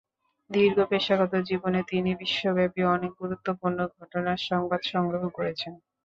দীর্ঘ পেশাগত জীবনে তিনি বিশ্বব্যাপী অনেক গুরুত্বপূর্ণ ঘটনার সংবাদ সংগ্রহ করেছেন।